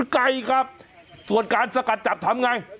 ไก่ครับส่วนการสกัดจับทำอย่างไร